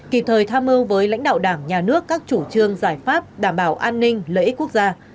kịp thời tham mưu với lãnh đạo đảng nhà nước các chủ trương giải pháp đảm bảo an ninh lợi ích quốc gia